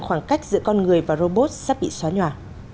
khoảng cách giữa con người và robot sắp bị xóa nhòa